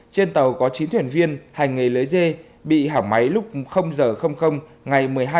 trên tàu có chín thuyền viên hai người lấy dê bị hảo máy lúc h ngày một mươi hai tháng hai